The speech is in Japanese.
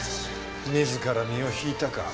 自ら身を引いたか。